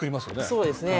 そうですね。